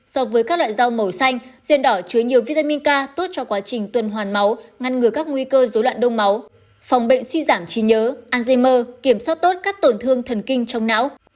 so với các loại rau màu xanh rền đỏ chứa nhiều vitamin k tốt cho quá trình tuần hoàn máu ngăn ngừa các nguy cơ dấu loạn đông máu phòng bệnh suy giảm trí nhớ alzheimer kiểm soát tốt các tổn thương thần kinh trong não